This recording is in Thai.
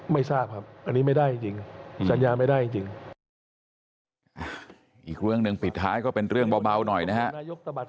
ไม่ทราบครับอันนี้ไม่ได้จริงสัญญาไม่ได้จริงอีกเรื่องหนึ่งปิดท้ายก็เป็นเรื่องเบาหน่อยนะฮะ